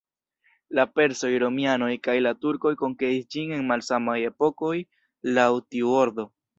La persoj, romianoj kaj la turkoj konkeris ĝin en malsamaj epokoj laŭ tiu ordo.